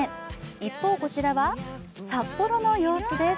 一方、こちらは札幌の様子です。